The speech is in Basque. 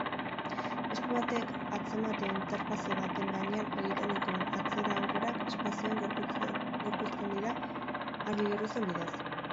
Esku batek atzemate-interfaze baten gainean egiten dituen atzera-aurrerak espazioan gorpuzten dira argi-geruzen bidez.